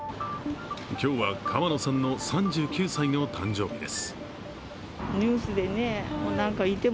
今日は川野さんの３９歳の誕生日です。